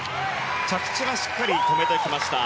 着地はしっかり止めてきました。